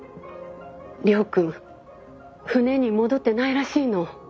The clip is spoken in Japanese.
亮君船に戻ってないらしいの。